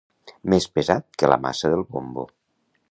Més pesat que la maça del bombo.